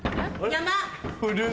山！